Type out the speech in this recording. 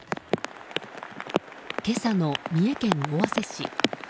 今朝の三重県尾鷲市。